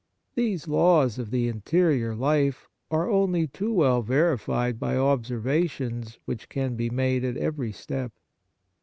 These laws of the interior life are only too well verified by observa tions which can be made at every step.